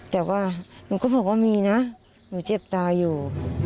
แต่ว่าหนูก็บอกว่ามีนะหนูเจ็บตาอยู่